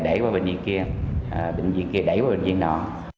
để qua bệnh viện kia bệnh viện kia đẩy qua bệnh viện nọ